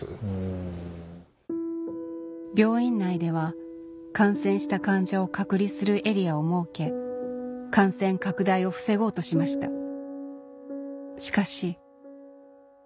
病院内では感染した患者を隔離するエリアを設け感染拡大を防ごうとしました